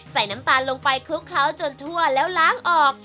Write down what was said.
น้ำตาลลงไปคลุกเคล้าจนทั่วแล้วล้างออก